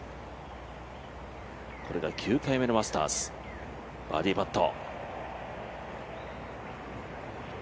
これが９回目のマスターズ、バーディーパット。